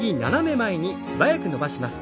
腕は素早く伸ばします。